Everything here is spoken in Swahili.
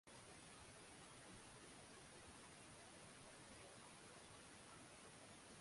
Wakwere hawana chifu kama makabila mengine ila wana msemi ambaye ndiye kiongozi mkubwa